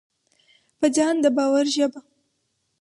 په ځان د باور ژبه: